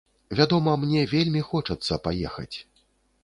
Вядома, мне вельмі хочацца паехаць.